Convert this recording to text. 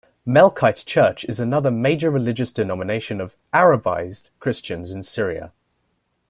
Melkite Church is another major religious denomination of "Arabized" Christians in Syria.